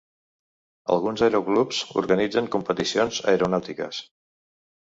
Alguns aeroclubs organitzen competicions aeronàutiques.